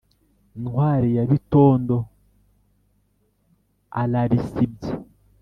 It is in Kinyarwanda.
ntwari ya bitondo ararisibye.